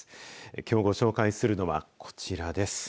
きょうご紹介するのはこちらです。